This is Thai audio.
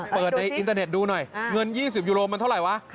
เปิดในอินเทอร์เน็ตดูหน่อยเงิน๒๐ยูโรมันเท่าไหร่วะ